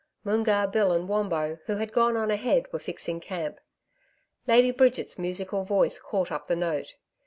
Moongarr Bill and Wombo, who had gone on ahead, were fixing camp. Lady Bridget's musical voice caught up the note.